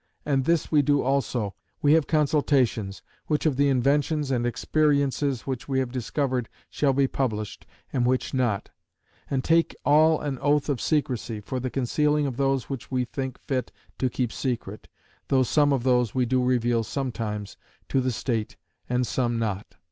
And this we do also: we have consultations, which of the inventions and experiences which we have discovered shall be published, and which not: and take all an oath of secrecy, for the concealing of those which we think fit to keep secret: though some of those we do reveal sometimes to the state and some not.